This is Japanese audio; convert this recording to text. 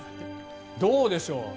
どうでしょう。